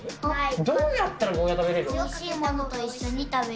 どうやったらゴーヤ食べれる？